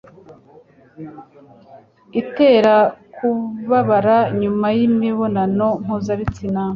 itera kubabara nyuma y'imibonano mpuzabitsina